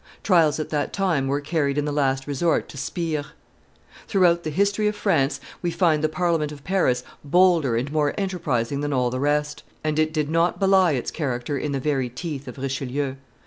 Trials at that time were carried in the last resort to Spires. Throughout the history of France we find the Parliament of Paris bolder and more enterprising than all the rest: and it did not belie its character in the very teeth of Richelieu.